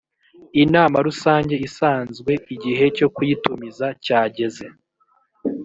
inama rusange isanzwe igihe cyo kuyitumiza cyageze